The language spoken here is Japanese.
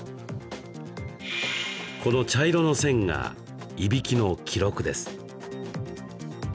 この茶色の線がいびきの記録です。